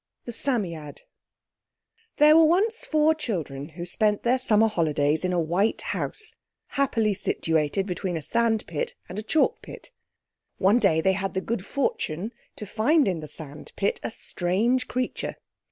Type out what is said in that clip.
THE PSAMMEAD There were once four children who spent their summer holidays in a white house, happily situated between a sandpit and a chalkpit. One day they had the good fortune to find in the sandpit a strange creature.